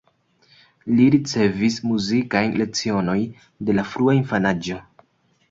Li ricevis muzikajn lecionojn de la frua infanaĝo.